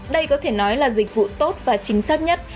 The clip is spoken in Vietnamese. đây có thể nói là dịch vụ tốt và chính xác nhất